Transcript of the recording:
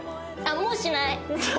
もうしない！